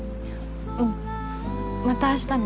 うんまた明日ね